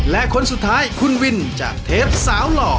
และคนสุดท้ายคุณวินจากเทปสาวหล่อ